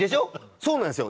そうなんですよ。